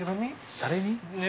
誰に？